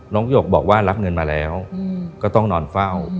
หยกบอกว่ารับเงินมาแล้วก็ต้องนอนเฝ้า